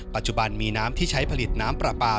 ปัจจุบันมีน้ำที่ใช้ผลิตน้ำปลาปลา